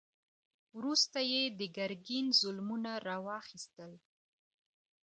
وروسته یې د ګرګین ظلمونه را واخیستل.